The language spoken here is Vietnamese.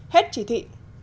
hết chỉ thị